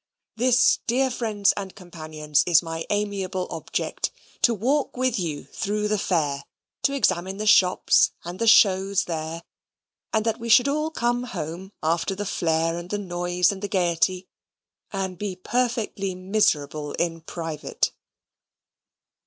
This, dear friends and companions, is my amiable object to walk with you through the Fair, to examine the shops and the shows there; and that we should all come home after the flare, and the noise, and the gaiety, and be perfectly miserable in private.